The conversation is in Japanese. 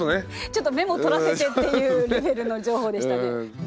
ちょっとメモ取らせてっていうレベルの情報でしたね。